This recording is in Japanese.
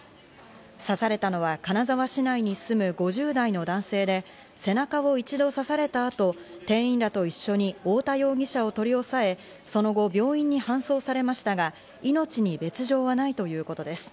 刺されたのは金沢市内に住む５０代の男性で、背中を一度刺された後、店員らと一緒に大田容疑者を取り押さえ、その後、病院に搬送されましたが、命に別条はないということです。